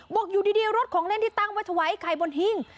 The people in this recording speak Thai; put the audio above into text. บอกอยู่ดีรถของเล่นที่ตั้งไว้ถวายไข่บนหิ้ง